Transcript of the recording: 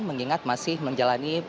mengingat masih menjalani